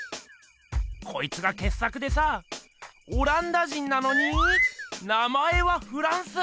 こいつがけっ作でさオランダ人なのに名前はフランス！